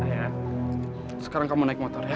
sekarang kamu naik motor ya